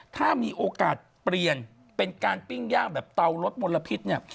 ถ้ามีโอกาสเปลี่ยนเป็นการปิ้งย่างแบบเตาลดมลพิษเนี่ย